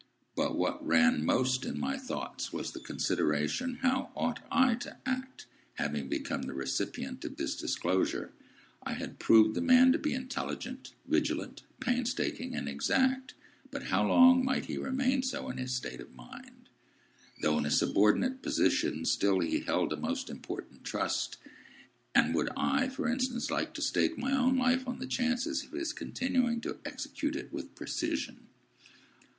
But what ran most in my thoughts was the consideration how ought I to act, having become the recipient of this disclosure? I had proved the man to be intelligent, vigilant, painstaking, and exact; but how long might he remain so, in his state of mind? Though in a subordinate position, still he held a most important trust, and would I (for instance) like to stake my own life on the chances of his continuing to execute it with precision?